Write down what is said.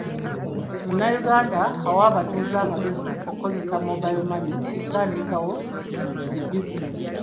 Munnayuganda awa abatuuze amagezi okukozesa mobile money okutandikawo zi bizinensi